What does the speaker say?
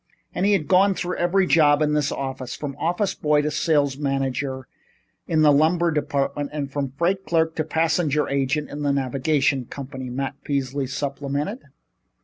"And he had gone through every job in this office, from office boy to sales manager in the lumber department and from freight clerk to passenger agent in the navigation company," Matt Peasley supplemented.